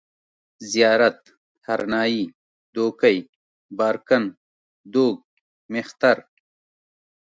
زيارت، هرنايي، دوکۍ، بارکن، دوگ، مېختر